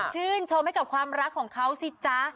ชื่นชมให้กับความรักของเขาสิจ๊ะ